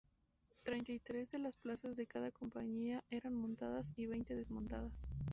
Treinta y tres de las plazas de cada compañía eran montadas y veinte desmontadas.